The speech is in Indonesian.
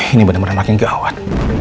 ini benar benar makin gawat